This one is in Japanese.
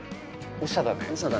オシャだね。